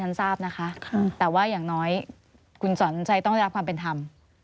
ทราบนะคะแต่ว่าอย่างน้อยคุณสอนชัยต้องได้รับความเป็นธรรม